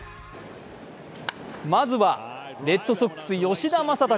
まずはレッドソックス・吉田正尚。